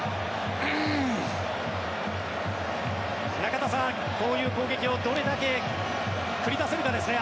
中田さん、こういう攻撃をどれだけ繰り出せるかですね。